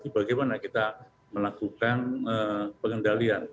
bagaimana kita melakukan pengendalian